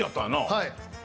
はい。